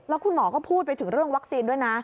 แล้วคุณหมอก็พูดไปถึงเรื่องวัคซีนด้วยนะ